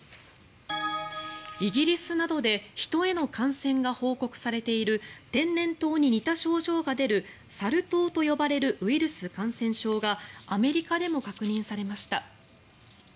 イギリスなどで人への感染が報告されている天然痘に似た症状が出るサル痘と呼ばれるウイルス感染症がアメリカでも確認されました。